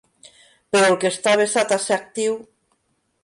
Però el que està avesat a ser actiu...